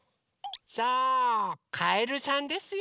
そうかえるさんですよ！